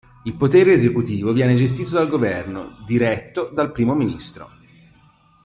Il potere esecutivo viene gestito dal governo, diretto dal Primo ministro.